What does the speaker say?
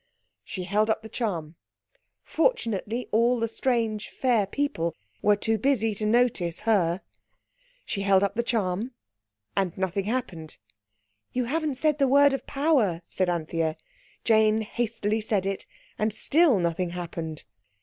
_" She held up the charm. Fortunately all the strange, fair people were too busy to notice her. She held up the charm. And nothing happened. "You haven't said the word of power," said Anthea. Jane hastily said it—and still nothing happened.